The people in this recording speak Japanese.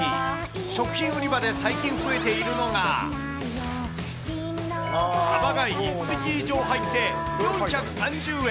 食品売り場で最近増えているのが、サバが１匹以上入って４３０円。